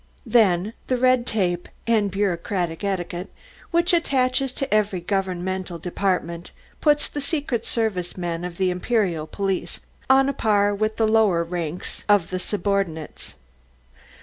Then, the red tape and bureaucratic etiquette which attaches to every governmental department, puts the secret service men of the Imperial police on a par with the lower ranks of the subordinates.